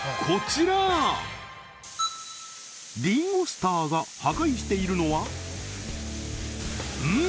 りんご☆スターが破壊しているのはうん？